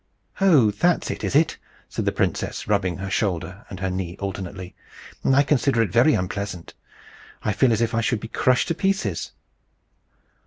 "Oh, that's it! is it?" said the princess, rubbing her shoulder and her knee alternately. "I consider it very unpleasant. I feel as if I should be crushed to pieces."